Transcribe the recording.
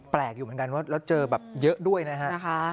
แปลกอยู่เหมือนกันว่าเจอเยอะด้วยนะคะ